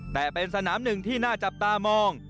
แต่เป็นสนามหนึ่งที่น่าจับตามอง